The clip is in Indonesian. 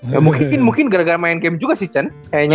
ya mungkin mungkin gara gara main game juga sih cun kayaknya